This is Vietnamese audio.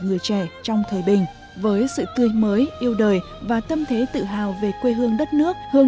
người trẻ trong thời bình với sự tươi mới yêu đời và tâm thế tự hào về quê hương đất nước hương